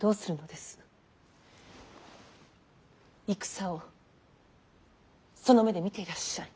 戦をその目で見ていらっしゃい。